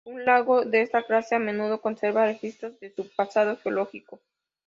Un lago de esta clase a menudo conserva registros de su pasado geológico.